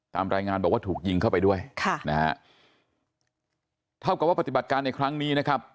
ตามรายงานบอกว่าถูกยิงเข้าไปด้วยค่ะนะฮะเท่ากับว่าปฏิบัติการในครั้งนี้นะครับ